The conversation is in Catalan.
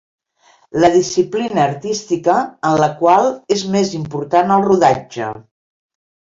La disciplina artística en la qual és més important el rodatge.